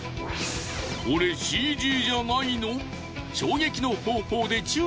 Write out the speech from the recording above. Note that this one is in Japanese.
これＣＧじゃないの？